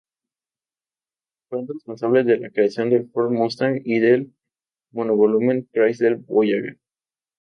Es el responsable de la creación del Ford Mustang y del monovolumen Chrysler Voyager.